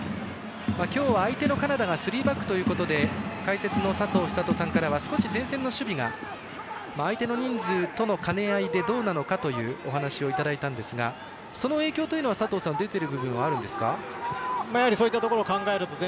今日、相手のカナダはスリーバックということで解説の佐藤寿人さんからは少し前線の守備が相手の人数との兼ね合いでどうなのかというお話をいただいたんですがその影響というのは出ている部分はりますか？